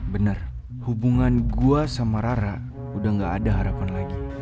benar hubungan gue sama rara udah gak ada harapan lagi